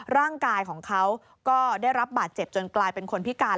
ร่างกายของเขาก็ได้รับบาดเจ็บจนกลายเป็นคนพิการ